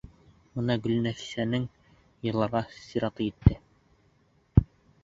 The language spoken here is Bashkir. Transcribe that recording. Бына Гөлнәфистең йырларға сираты етте.